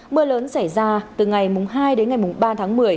mưa lớn xảy ra từ ngày hai đến ngày ba tháng một mươi